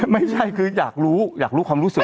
ไม่ใช่คืออยากรู้อยากรู้ความรู้สึก